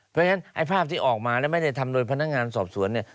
เพราะฉะนั้นไอ้ภาพที่ออกมาแล้วไม่ได้ทำโดยพนักงานสอบสวนเนี่ย